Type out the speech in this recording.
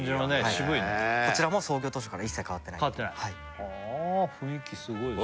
渋いねカッコいいよねこちらも創業当初から一切変わってないはあ雰囲気すごいですね